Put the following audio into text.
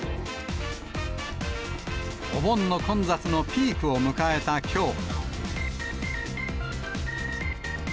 お盆の混雑のピークを迎えたきょう。